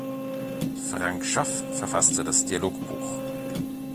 Frank Schaff verfasste das Dialogbuch.